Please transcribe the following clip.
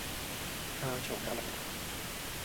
夏蟲也為我沉默